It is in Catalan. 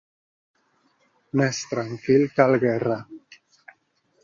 Més tranquil que el Guerra.